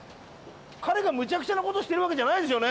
彼がむちゃくちゃな事してるわけじゃないですよね。